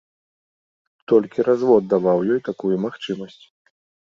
Толькі развод даваў ёй такую магчымасць.